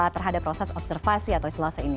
terhadap proses observasi atau isolasi ini